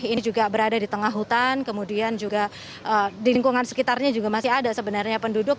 ini juga berada di tengah hutan kemudian juga di lingkungan sekitarnya juga masih ada sebenarnya penduduk